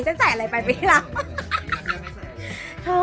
ฉันใส่อะไรไปปีแล้ว